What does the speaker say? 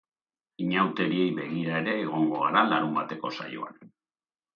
Inauteriei begira ere egongo gara larunbateko saioan.